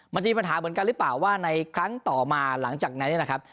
มันมีปัญหาเหมือนกันหรือเปล่าว่าในครั้งต่อมาหลังจากนั้นเนี่ยนะครับ